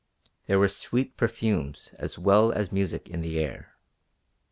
There were sweet perfumes as well as music in the air.